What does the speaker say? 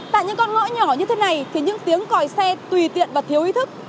tại những con ngõ nhỏ như thế này thì những tiếng còi xe tùy tiện và thiếu ý thức